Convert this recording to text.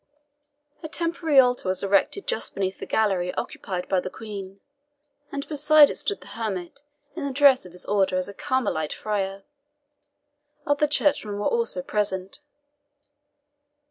A temporary altar was erected just beneath the gallery occupied by the Queen, and beside it stood the hermit in the dress of his order as a Carmelite friar. Other churchmen were also present.